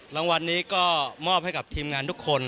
รางวัลนี้ก็มอบให้กับทีมงานทุกคน